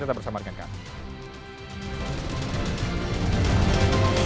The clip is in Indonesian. tetap bersama dengan kami